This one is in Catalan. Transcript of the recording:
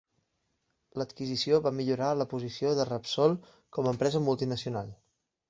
L'adquisició va millorar la posició de Repsol com a empresa multinacional.